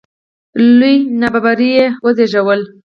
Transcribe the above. لویه نابرابري یې وزېږوله